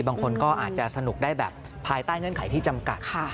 บางคนก็อาจจะสนุกได้แบบภายใต้เงื่อนไขที่จำกัด